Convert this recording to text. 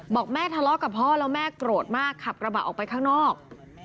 บอกแม่ทะเลาะกับพ่อแล้วแม่โกรธมากขับกระบะออกไปข้างนอก